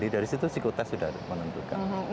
jadi dari situ psikotest sudah menentukan